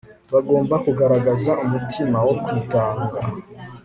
Bagomba kugaragaza umutima wo kwitanga